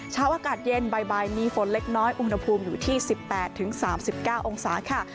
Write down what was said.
เช้าอากาศเย็นบ่ายมีฝนเล็กน้อยอุณหภูมิอยู่ที่๑๘๓๙องศาค่ะ